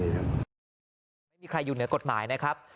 ไม่มีใครอยู่เหนือกฎหมายนะครับ